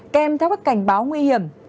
kèm các cảnh báo nguy hiểm